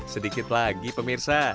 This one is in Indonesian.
sedikit lagi pemirsa